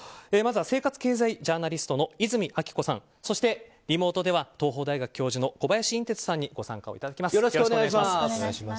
まずは生活経済ジャーナリストの和泉昭子さんそしてリモートでは東邦大学教授の小林寅てつさんにご参加をいただきます。